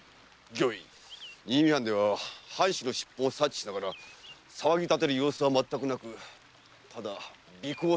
御意新見藩では藩主の出奔を察知しながら騒ぎ立てる様子は全くなくただ尾行するのみでした。